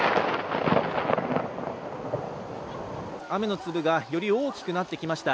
雨の粒がより大きくなってきました。